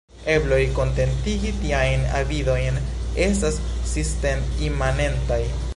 Ebloj kontentigi tiajn avidojn estas sistem-imanentaj.